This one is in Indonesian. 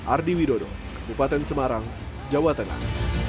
ardi widodo kabupaten semarang jawa tengah